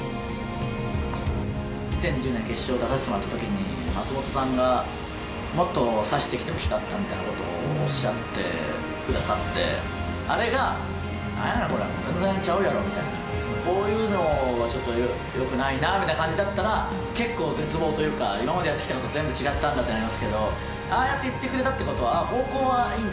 ２０２０年、決勝出させてもらったときに松本さんが、もっと刺してきてほしかったみたいなことをおっしゃってくださって、あれが、なんやねんこれ、全然ちゃうやろみたいな、こういうのはちょっとよくないなみたいな感じだったら結構絶望というか今までやってきたこと全部違ったんだってなりますけどああやって言ってくれたってことは方向はいいんだ